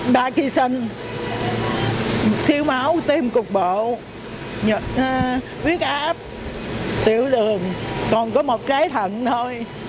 ba khi sinh thiếu máu tim cục bộ huyết áp tiểu đường còn có một cái thận thôi